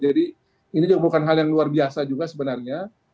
jadi ini juga bukan hal yang luar biasa juga sebenarnya